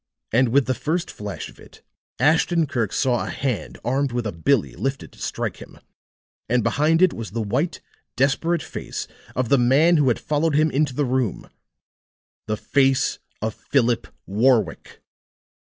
And with the first flash of it, Ashton Kirk saw a hand armed with a "billy" lifted to strike him; and behind it was the white, desperate face of the man who had followed him into the room the face of Philip Warwick.